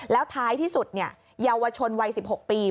แล้วท้ายที่สุดเนี่ยยวชนวัยสิบหกปี